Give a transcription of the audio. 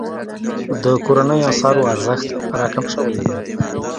د کورنیو اسعارو ارزښت راکم شوی وي.